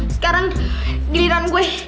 sekarang giliran gue